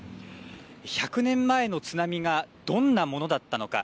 １００年前の津波がどんなものだったのか。